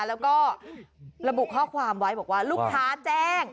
แล้วก็ระบุข้อความไว้บอกว่าลูกค้าแจ้ง